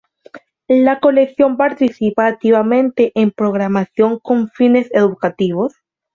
La colección participa activamente en programación con fines educativos.